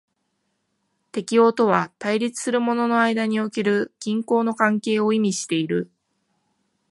適応とは対立するものの間における均衡の関係を意味している。